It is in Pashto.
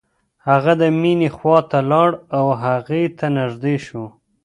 هغه د مينې خواته لاړ او هغې ته نږدې شو.